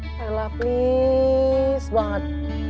ayolah please banget